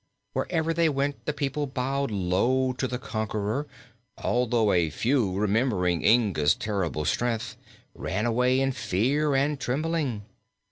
Wherever they went the people bowed low to the conqueror, although a few, remembering Inga's terrible strength, ran away in fear and trembling.